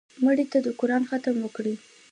مړه ته د قرآن ختم وکړې